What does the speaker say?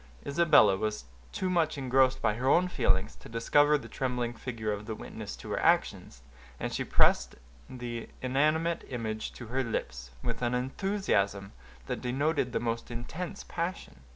Isabella was too much engrossed by her own feelings to discover the trembling figure of the witness to her actions, and she pressed the inanimate image to her lips, with an enthusiasm that denoted the most intense passion.